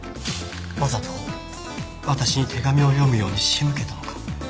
わざと私に手紙を読むように仕向けたのか？